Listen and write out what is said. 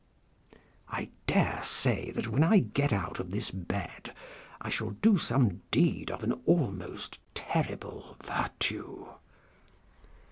I dare say that when I get out of this bed I shall do some deed of an almost terrible virtue.